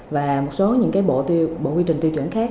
và một số những bộ quy trình tiêu chuẩn khác